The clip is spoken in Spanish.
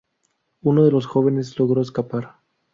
Uno de los jóvenes logró escapar.